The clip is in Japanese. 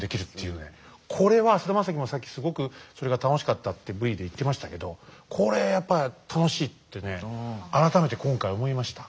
これは菅田将暉もさっきすごくそれが楽しかったってＶで言ってましたけどこれやっぱ楽しいってね改めて今回思いました。